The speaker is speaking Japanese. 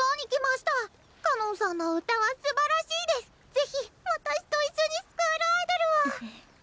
是非私と一緒にスクールアイドルを！